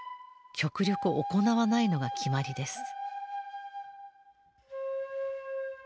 極力行わないのが決まりです。